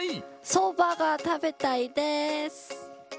そばが食べたいです！